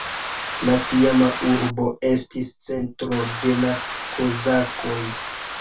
La tiama urbo estis centro de la kozakoj.